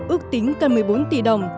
ước tính cần một mươi bốn tỷ đồng